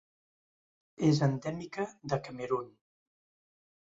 És endèmica de Camerun.